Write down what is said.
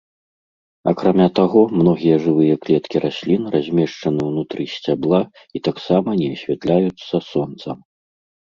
Акрамя таго, многія жывыя клеткі раслін размешчаны ўнутры сцябла і таксама не асвятляюцца сонцам.